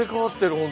本当。